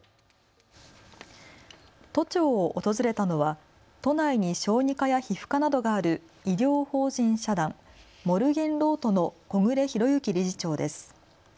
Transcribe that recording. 都庁を訪れたのは都内に小児科や皮膚科などがある医療法人社団モルゲンロートの小暮裕之理事長です。